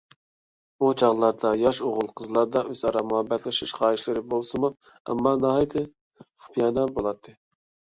ئۇ چاغلاردا ياش ئوغۇل-قىزلاردا ئۆزئارا مۇھەببەتلىشىش خاھىشلىرى بولسىمۇ، ئەمما ناھايىتى خۇپىيانە بولاتتى.